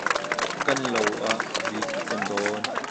Kan lo ah rit kan dawn.